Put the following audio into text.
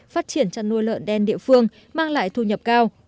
phát triển chăn nuôi lợn đen địa phương mang lại thu nhập cao